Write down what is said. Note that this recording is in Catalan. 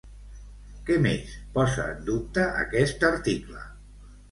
Què més posa en dubte aquest article?